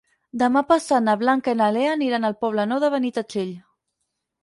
Demà passat na Blanca i na Lea aniran al Poble Nou de Benitatxell.